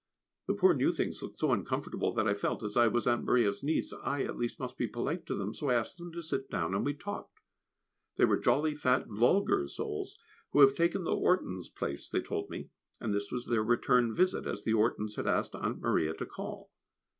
The poor new things looked so uncomfortable, that I felt, as I was Aunt Maria's niece, I at least must be polite to them; so I asked them to sit down, and we talked. They were jolly, fat, vulgar souls, who have taken the Ortons' place they told me, and this was their return visit, as the Ortons had asked Aunt Maria to call.